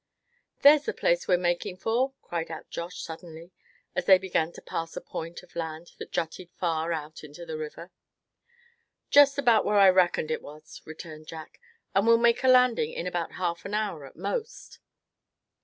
"There's the place we're making for!" cried out Josh, suddenly, as they began to pass a point of land that jutted far out into the river. "Just about where I reckoned it was," returned Jack; "and we'll make a landing in about half an hour at most."